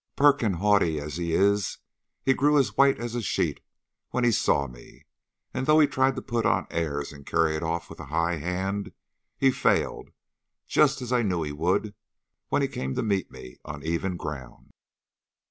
Perk and haughty as he is, he grew as white as a sheet when he saw me, and though he tried to put on airs and carry it off with a high hand, he failed, just as I knew he would when he came to meet me on even ground.